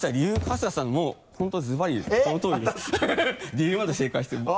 理由まで正解してるので。